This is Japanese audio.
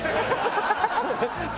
ハハハハ！